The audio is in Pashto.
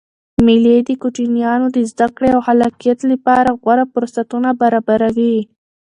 مېلې د کوچنيانو د زدکړي او خلاقیت له پاره غوره فرصتونه برابروي.